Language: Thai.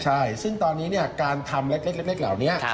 ใช่ซึ่งตอนนี้การทำเล็กเหล่านี้